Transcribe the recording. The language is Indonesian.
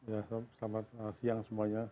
ya selamat siang semuanya